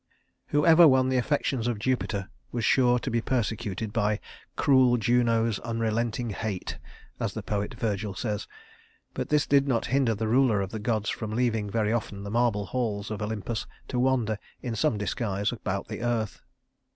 [Illustration: Apollo Belvedere] Whoever won the affections of Jupiter was sure to be persecuted by "cruel Juno's unrelenting hate," as the poet Virgil says; but this did not hinder the ruler of the gods from leaving very often the marble halls of Olympus to wander, in some disguise, about the earth.